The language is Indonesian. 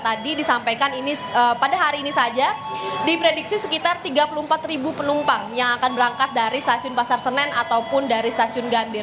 tadi disampaikan ini pada hari ini saja diprediksi sekitar tiga puluh empat penumpang yang akan berangkat dari stasiun pasar senen ataupun dari stasiun gambir